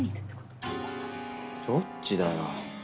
どっちだよ。